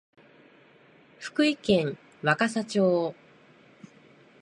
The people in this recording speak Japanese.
福井県若狭町